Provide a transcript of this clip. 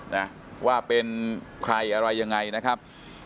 นะว่าเป็นใครอะไรยังไงนะครับ